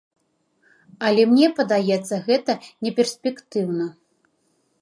Але мне падаецца, гэта неперспектыўна.